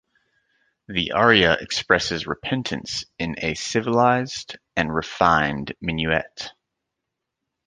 The aria expresses repentance in a "civilised and refined minuet".